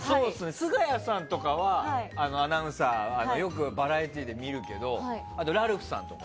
菅谷さんとかはアナウンサーでよくバラエティーで見るけどあとラルフさんとか。